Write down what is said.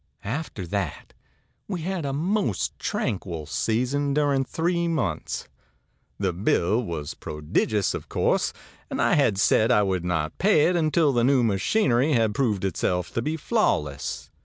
ãAfter that we had a most tranquil season during three months. The bill was prodigious, of course, and I had said I would not pay it until the new machinery had proved itself to be flawless.